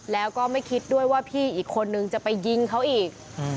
แล้วก็ไม่คิดด้วยว่าพี่อีกคนนึงจะไปยิงเขาอีก